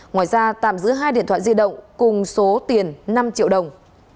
ngoài ra tạm giữ hai điện thoại di động cùng số tiền năm triệu đồng